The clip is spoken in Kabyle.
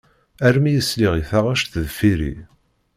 Armi i sliɣ i taɣect deffir-i.